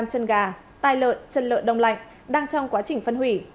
năm chân gà tai lợn chân lợn đông lạnh đang trong quá trình phân hủy